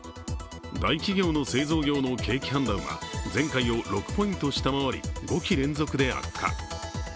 大企業の製造業の景気判断は前回を６ポイント下回り５期連続で悪化。